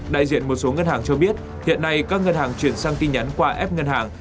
đại diện một số ngân hàng cho biết hiện nay các ngân hàng chuyển sang tin nhắn qua ép ngân hàng